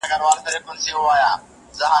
د خانانو څادر نه دی، چې لیلام شي